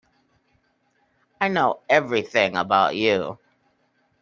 I know everything about you.